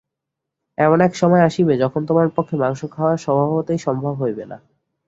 এমন এক সময় আসিবে, যখন তোমার পক্ষে মাংস খাওয়া স্বভাবতই সম্ভব হইবে না।